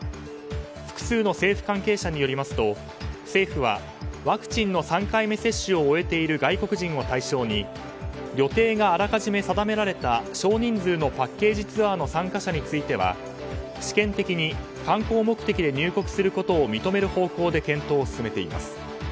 複数の政府関係者によりますと政府はワクチンの３回目接種を終えている外国人を対象に予定があらかじめ定められた少人数のパッケージツアーの参加者については試験的に観光目的で入国することを認める方向で検討を進めています。